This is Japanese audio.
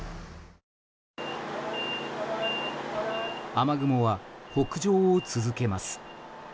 雨雲は北上を続けます。